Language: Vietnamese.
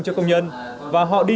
trả công đến khi nào